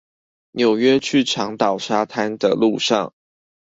紐約去長島海灘的路上